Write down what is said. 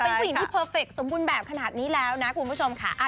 เป็นผู้หญิงที่เพอร์เฟคสมบูรณ์แบบขนาดนี้แล้วนะคุณผู้ชมค่ะ